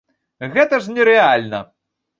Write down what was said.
Гэта ж не рэальна!